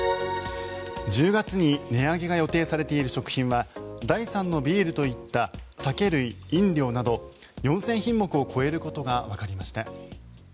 １０月に値上げが予定されている食品は第３のビールといった酒類・飲料など４０００品目を超えることがわかりました。